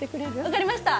分かりました！